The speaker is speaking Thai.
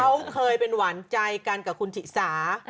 เขาเคยเป็นหวานใจกันกับคุณถิสา